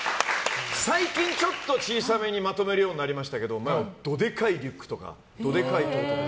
最近、ちょっと小さめにまとめるようになりましたけど前はどデカいリュックとかトートとか。